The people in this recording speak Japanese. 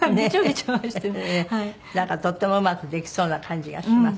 なんかとってもうまくできそうな感じがします。